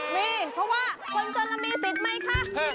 มีเพราะว่าคนจนเรามีสิทธิ์ไหมคะ